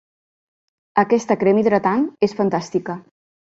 Aquesta crema hidratant és fantàstica.